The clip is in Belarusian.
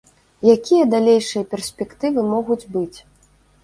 Якія далейшыя перспектывы могуць быць?